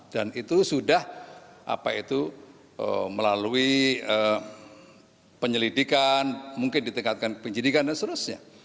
dan itu sudah melalui penyelidikan mungkin ditingkatkan penyelidikan dan sebagainya